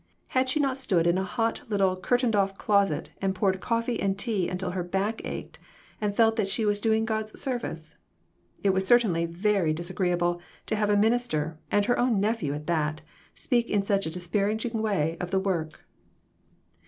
Had she not stood in a hot little curtained off closet and poured coffee and tea until her back ached, and felt that she was doing God service? It was certainly very disa greeable to have a minister, and her own nephew at that, speak in such a disparaging way of the work.